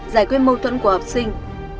giải quyết mâu thuẫn của học sinh